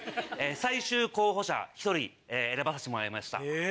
最終候補者１人選ばさせてもらいました。